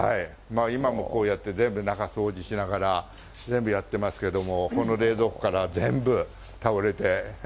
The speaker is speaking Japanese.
今もこうやって、全部、中、掃除しながら全部やってますけども、この冷蔵庫から、全部倒れて。